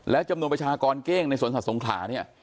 และจำนวนประชากรเก้งในสวนสัตว์สงขลาเนี่ย